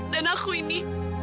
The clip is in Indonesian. dan aku ini